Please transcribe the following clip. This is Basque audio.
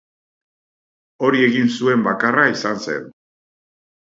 Hori egin zuen bakarra izan zen.